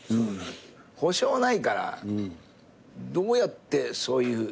保証ないからどうやってそういう。